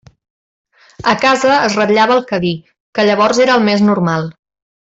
A casa es ratllava el Cadí, que llavors era el més normal.